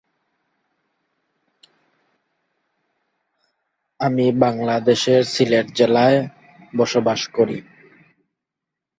তারা এখানে কৃষিভিত্তিক সমাজ গড়ে তুলে।